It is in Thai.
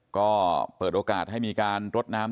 ก็เปิดโอกาสให้มีการรดน้ำ